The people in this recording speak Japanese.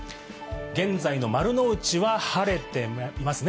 現在の丸の内は晴れていますね。